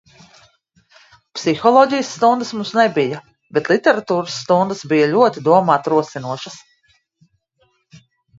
Psiholoģijas stundas mums nebija, bet literatūras stundas bija ļoti domāt rosinošas.